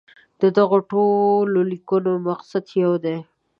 د دغو ټولو لیکنو مقصد یو دی.